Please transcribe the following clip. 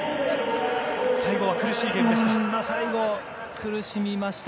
最後は苦しいゲームでした。